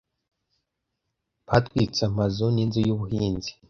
Batwitse amazu n'inzu y'ubuhinzi.